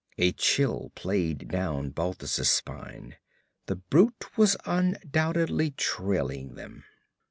A chill played down Balthus' spine. The brute was undoubtedly trailing them.